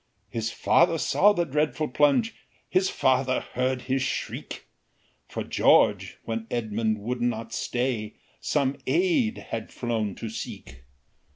His father saw the dreadful plunge, His father heard his shriek; For George, when Edmund would not stay, Some aid had flown to seek.